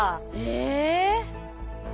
え。